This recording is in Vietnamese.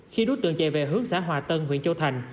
khi đối tượng chạy về hướng xã hòa tân huyện châu thành